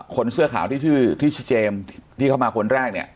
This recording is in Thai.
คนเสื้อขาวที่ชื่อที่ชื่อเจมส์ที่เข้ามาคนแรกเนี่ย